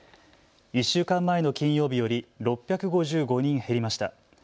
１週間前の金曜日より６５５人減りました。